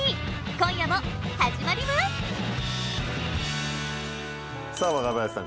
今夜も始まりますさあ若林さん